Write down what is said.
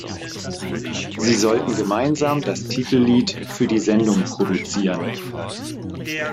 Sie sollten gemeinsam das Titellied für die Sendung produzieren.